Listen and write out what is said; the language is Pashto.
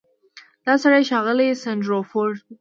دا سړی ښاغلی سنډفورډ و.